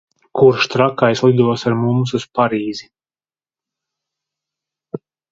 Kurš trakais lidos ar mums uz Parīzi?